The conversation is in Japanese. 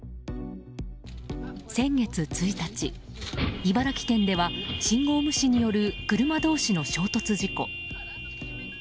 先月１日、茨城県では信号無視による車同士の衝突事故。